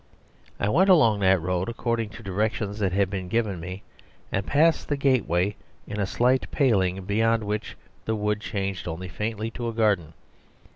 I went along that road according to directions that had been given me, and passed the gateway in a slight paling beyond which the wood changed only faintly to a garden.